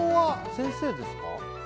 先生です。